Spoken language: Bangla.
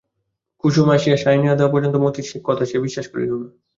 কুসুম আসিয়া সায় না দেওয়া পর্যন্ত মতির কথা সে বিশ্বাস করিল না।